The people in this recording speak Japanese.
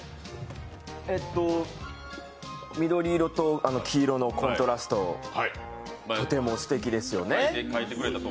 えっと緑色と黄色のコントラストとてもすてきですよね。